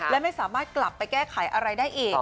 และไม่สามารถกลับไปแก้ไขอะไรได้อีก